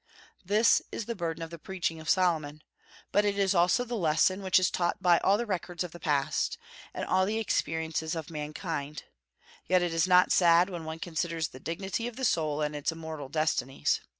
This is the burden of the preaching of Solomon; but it is also the lesson which is taught by all the records of the past, and all the experiences of mankind. Yet it is not sad when one considers the dignity of the soul and its immortal destinies.